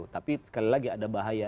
tapi sekali lagi ada bahaya